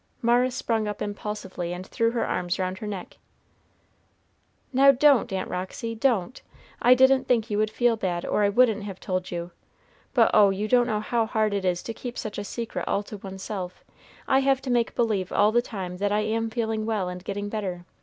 Mara sprung up impulsively and threw her arms round her neck. "Now don't, Aunt Roxy, don't. I didn't think you would feel bad, or I wouldn't have told you; but oh, you don't know how hard it is to keep such a secret all to one's self. I have to make believe all the time that I am feeling well and getting better.